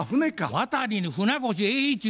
渡りに船越英一郎。